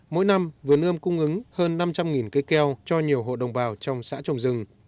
mỗi năm vườn ươm cung ứng hơn năm trăm linh cây keo cho nhiều hộ đồng bào trong xã trồng rừng